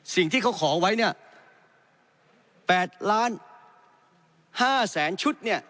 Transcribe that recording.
สิ่งที่เขาขอไว้เนี่ย๘ล้าน๕แสนชุดเนี่ย